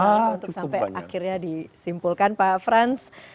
untuk sampai akhirnya disimpulkan pak frans